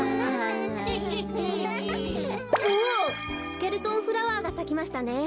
スケルトンフラワーがさきましたね。